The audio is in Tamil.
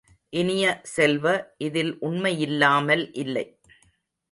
இனிய செல்வ, இதில் உண்மையில்லாமல் இல்லை.